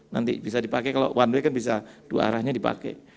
nanti bisa dipakai kalau one way kan bisa dua arahnya dipakai